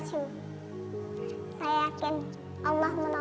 saya yakin allah menolong saya